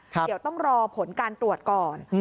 เดี๋ยวต้องรอผลการตรวจก่อน